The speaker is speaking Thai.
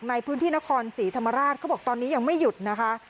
ในพื้นที่นครศรีธรรมราชเขาบอกตอนนี้ยังไม่หยุดนะคะ